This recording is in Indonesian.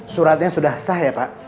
suratnya sudah sah ya pak